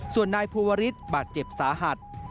ส่วนนายภูวริสบาดเจ็บสาหัส